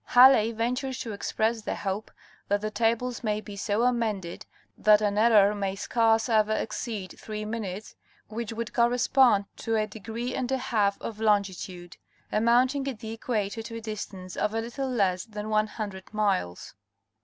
Halley ven tured to express the hope that the tables may be so amended that an error may scarce ever exceed three minutes, which would cor respond to a degree and a half of longitude, amounting at the equator to a distance of a little less than one hundred miles.